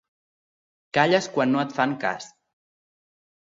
Calles quan no et fan cas.